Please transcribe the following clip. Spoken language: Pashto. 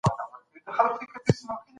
غچ اخیستل د زړه د سکون لاره نه ده.